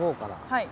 はい。